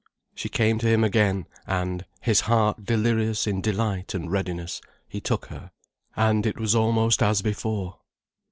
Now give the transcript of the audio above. She came to him again, and, his heart delirious in delight and readiness, he took her. And it was almost as before.